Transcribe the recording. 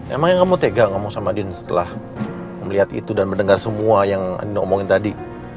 emangnya kamu tega ngomong sama andien setelah melihat itu dan mendengar semua yang andien omongin tadi